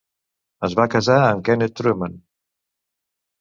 Es va casar amb Kenneth Trueman.